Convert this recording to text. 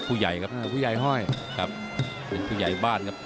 ผู้ใหญ่ครับผู้ใหญ่ห้อยครับเป็นผู้ใหญ่บ้านครับ